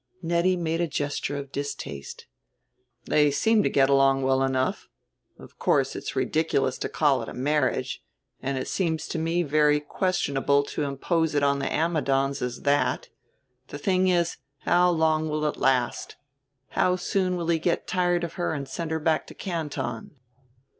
Nettie made a gesture of distaste. "They seem to get along well enough. Of course, it's ridiculous to call it a marriage, and it seems to me very questionable to impose it on the Ammidons as that. The thing is how long will it last, how soon will he get tired of her and send her back to Canton?"